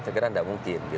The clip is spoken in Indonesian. segera tidak mungkin